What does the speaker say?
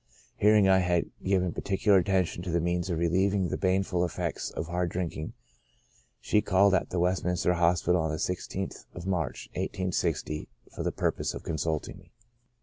Hearing I had given particular attention to the means of relieving the baneful effects of hard drinking, she called at the West minister Hospital on the i6th of March, i860, for the purpose of consulting me.